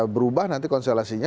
berubah nanti konstelasinya